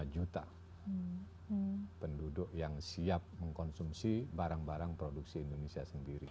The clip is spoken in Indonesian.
dua ratus tujuh puluh lima juta penduduk yang siap mengkonsumsi barang barang produksi indonesia sendiri